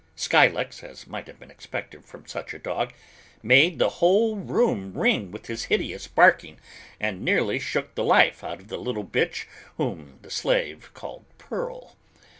Scylax, as might have been expected from such a dog, made the whole room ring with his hideous barking and nearly shook the life out of the little bitch which the slave called Pearl.